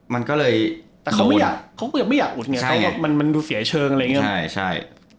มันก็เลยแต่เขาไม่อยากเขาไม่อยากอุดเนี่ยใช่มันมันมันดูเสียเชิงอะไรอย่างเงี้ยใช่ใช่